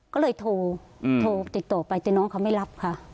ก็เลยโทรติดต่อไปแต่น้องเขาไม่รับค่ะ